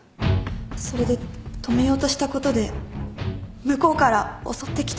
それで止めようとしたことで向こうから襲ってきたんです。